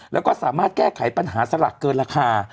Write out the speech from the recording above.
แล้วก็สามารถแก้ไขปัญหาสลักเกินราคา